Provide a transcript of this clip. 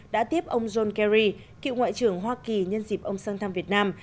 đã tiếp ông john kerry cựu ngoại trưởng hoa kỳ nhân dịp ông sang thăm việt nam